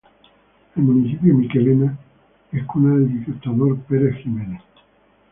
El Municipio Michelena es cuna del Dictador Perez Jimenez.